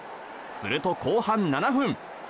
すると、後半７分。